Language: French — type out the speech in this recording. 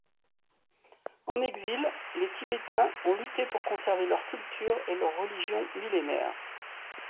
En exil, les Tibétains ont lutté pour conserver leur culture et leur religion millénaire.